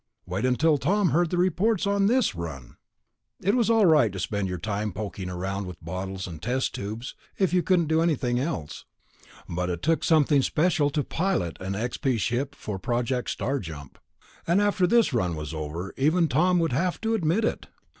Wait until Tom heard the reports on this run! It was all right to spend your time poking around with bottles and test tubes if you couldn't do anything else, but it took something special to pilot an XP ship for Project Star Jump. And after this run was over, even Tom would have to admit it....